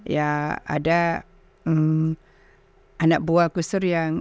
ya ada anak buah gustur yang